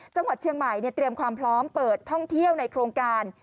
จังหวัดเชียงใหม่เตรียมความพร้อมเปิดท่องเที่ยวในโครงการ